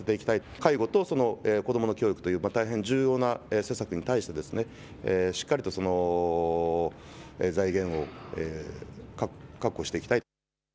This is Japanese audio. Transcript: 介護と子どもの教育という大変重要な施策に対してしっかりとその財源を確保していきたい。